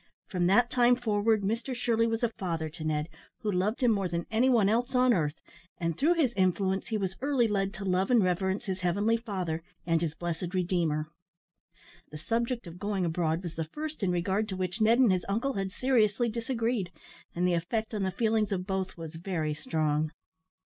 From that time forward Mr Shirley was a father to Ned, who loved him more than any one else on earth, and through his influence he was early led to love and reverence his heavenly Father and his blessed Redeemer. The subject of going abroad was the first in regard to which Ned and his uncle had seriously disagreed, and the effect on the feelings of both was very strong.